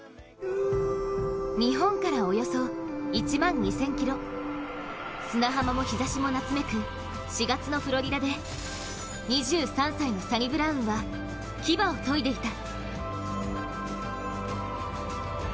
日本からおよそ１万２０００ｋｍ砂浜も日ざしも夏めく４月のフロリダで２３歳のサニブラウンは牙を研いでいた。